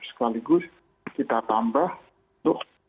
sekaligus kita tambah untuk